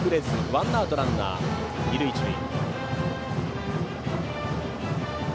ワンアウトランナー、二塁一塁。